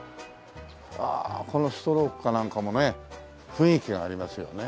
このストロークかなんかもね雰囲気がありますよね。